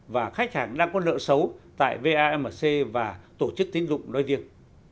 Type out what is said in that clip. và khách hàng đang có nợ xấu tại vamc và tổ chức tín dụng nói riêng